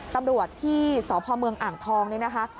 ตำรวจที่สพเมืองอ่างทองนี่นะคะ